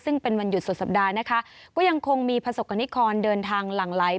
ซึ่งเป็นวันหยุดสุดสัปดาห์นะคะก็ยังคงมีประสบกรณิกรเดินทางหลั่งไหล